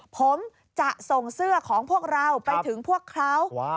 ผมจะส่งเสื้อของพวกเราไปถึงพวกเขา